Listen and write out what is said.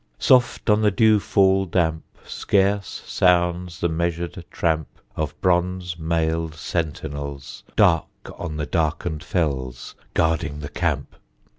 Soft on the dew fall damp Scarce sounds the measured tramp Of bronze mailed sentinels, Dark on the darkened fells Guarding the camp.